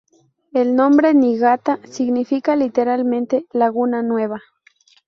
El nombre Niigata significa literalmente ‘laguna nueva’.